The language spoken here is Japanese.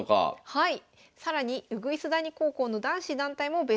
はい。